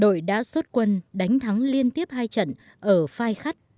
đội việt nam tuyên truyền giải phóng quân đánh thắng liên tiếp hai trận ở phai khắt